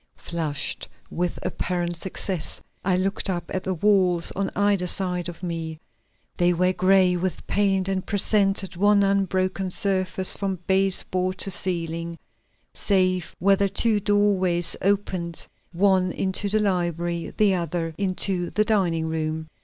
Flushed with apparent success, I looked up at the walls on either side of me. They were gray with paint and presented one unbroken surface from base board to ceiling, save where the two doorways opened, one into the library, the other into the dining room.